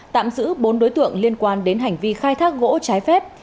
tạm giữ bốn đối tượng liên quan đến hành vi khai thác gỗ trái phép